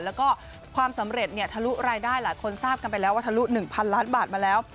แล้วก็ความสำเร็จเนี่ยทะลุรายได้หลายคนทราบกันไปแล้วว่าทะลุ๑๐๐ล้านบาทมาแล้ว